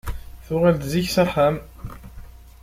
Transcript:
Tuɣal-d zik s axxam.